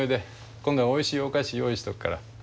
今度はおいしいお菓子用意しておくから。